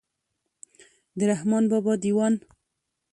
د رحمان بابا دېوان.